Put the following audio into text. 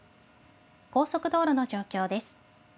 高速道路の状況です。